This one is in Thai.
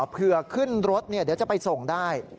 เพื่อขึ้นรถเดี๋ยวจะไปส่งได้